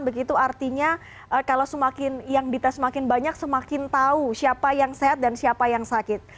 begitu artinya kalau semakin yang dites semakin banyak semakin tahu siapa yang sehat dan siapa yang sakit